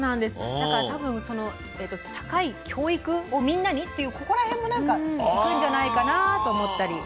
だから多分「高い教育をみんなに」というここら辺もいくんじゃないかなと思ったり。